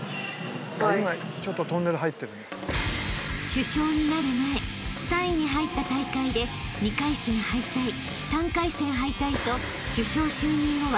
［主将になる前３位に入った大会で２回戦敗退３回戦敗退と主将就任後は結果を残せず］